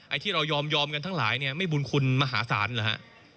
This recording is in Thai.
ที่เรายอมกันทั้งหลายเนี่ยไม่บุญคุณมหาศาลเหรอฮะ